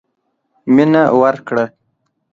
مينه ورکړه.